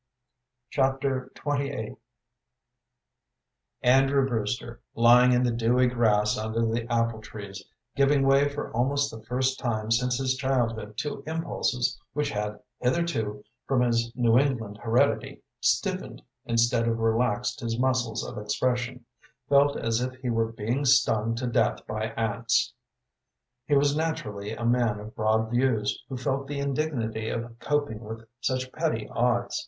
Chapter XXVIII Andrew Brewster, lying in the dewy grass under the apple trees, giving way for almost the first time since his childhood to impulses which had hitherto, from his New England heredity, stiffened instead of relaxed his muscles of expression, felt as if he were being stung to death by ants. He was naturally a man of broad views, who felt the indignity of coping with such petty odds.